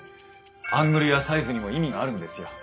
アングルやサイズにも意味があるんですよ。